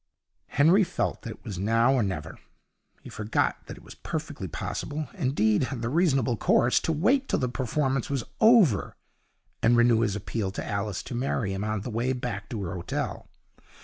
Henry felt that it was now or never. He forgot that it was perfectly possible indeed, the reasonable course to wait till the performance was over, and renew his appeal to Alice to marry him on the way back to her hotel.